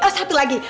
ah satu lagi